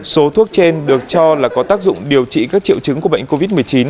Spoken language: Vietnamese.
số thuốc trên được cho là có tác dụng điều trị các triệu chứng của bệnh covid một mươi chín